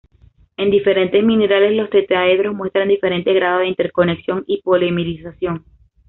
En diferentes minerales, los tetraedros muestran diferentes grados de interconexión y polimerización.